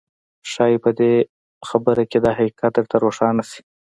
ښايي په دې خبره کې دا حقيقت درته روښانه شي.